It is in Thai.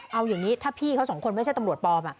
เอาอย่างนี้ถ้าพี่เขาสองคนไม่ใช่ตำรวจปลอม